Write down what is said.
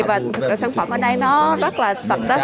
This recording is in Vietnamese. và thực ra sản phẩm ở đây nó rất là sạch